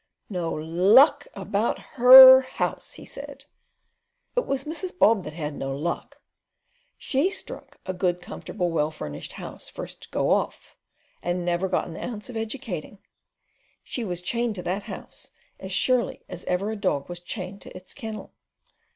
"No LUCK about HER house!" he said. "It was Mrs. Bob that had no luck. She struck a good, comfortable, well furnished house first go off, and never got an ounce of educating. She was chained to that house as surely as ever a dog was chained to its kennel.